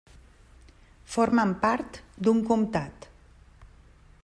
Formen part d'un comtat.